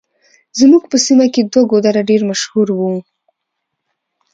زموږ په سيمه کې دوه ګودره ډېر مشهور وو.